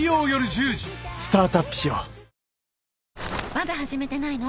まだ始めてないの？